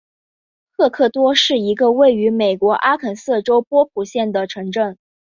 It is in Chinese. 赫克托是一个位于美国阿肯色州波普县的城镇。